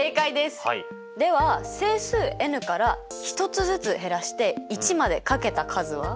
では整数ｎから１つずつ減らして１まで掛けた数は？